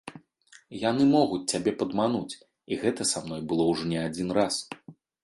Яны могуць цябе падмануць, і гэта са мной было ўжо не адзін раз.